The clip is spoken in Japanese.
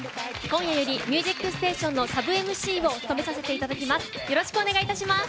今夜より「ミュージックステーション」のサブＭＣを務めさせていただきます。